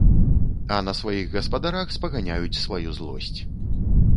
А на сваіх гаспадарах спаганяюць сваю злосць.